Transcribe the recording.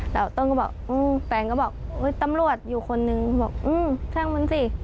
แล้วต้นก็บอกแฟนก็บอกตำรวจอยู่คนนึงบอกอืมช่างมันสิ